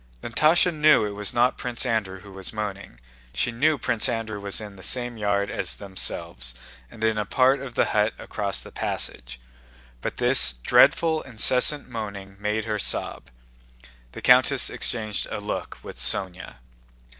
Natásha knew it was not Prince Andrew who was moaning. She knew Prince Andrew was in the same yard as themselves and in a part of the hut across the passage; but this dreadful incessant moaning made her sob. The countess exchanged a look with Sónya.